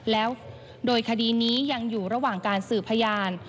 แล้วโดยคดีนี้ยังอยู่ระหว่างการสืบพยาน